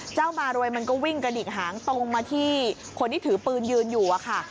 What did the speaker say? มารวยมันก็วิ่งกระดิกหางตรงมาที่คนที่ถือปืนยืนอยู่อะค่ะ